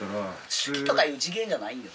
好きとかいう次元じゃないんよ。